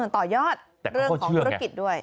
ต่อยอดเรื่องของธุรกิจด้วย